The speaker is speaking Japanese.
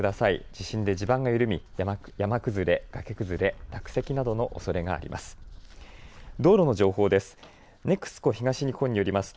地震で地盤が緩み山崩れ、崖崩れ、落石などのおそれがあります。